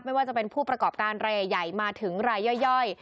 ไม่ว่าจะเป็นผู้ประกอบการรายใหญ่มาถึงรายย่อย